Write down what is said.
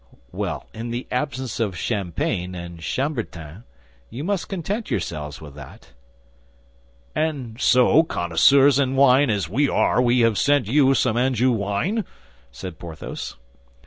"Well, in the absence of champagne and chambertin, you must content yourselves with that." "And so, connoisseurs in wine as we are, we have sent you some Anjou wine?" said Porthos.